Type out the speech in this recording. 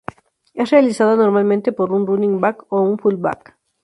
Es realizada normalmente por un running back o un fullback.